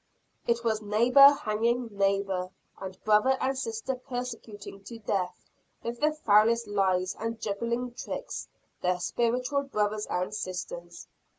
It was neighbor hanging neighbor; and brother and sister persecuting to death with the foulest lies and juggling tricks their spiritual brothers and sisters.